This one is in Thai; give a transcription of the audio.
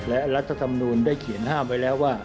และรัฐธรรมนูลได้เขียนห้ามไว้แล้วว่า